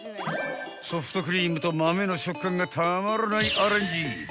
［ソフトクリームと豆の食感がたまらないアレンジ］